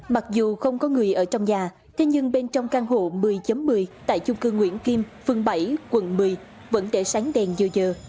mặc dù không có người ở trong nhà thế nhưng bên trong căn hộ một mươi một mươi tại chung cư nguyễn kim phương bảy quận một mươi vẫn để sáng đèn dời giờ dờ